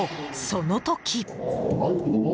その時。